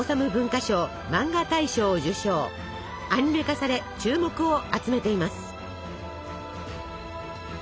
アニメ化され注目を集めています。